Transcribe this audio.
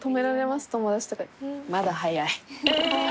まだ早い。